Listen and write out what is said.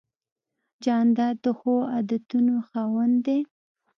جانداد د ښو عادتونو خاوند دی.